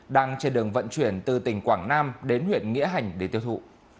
đến huyện nghĩa hành để tiêu thụ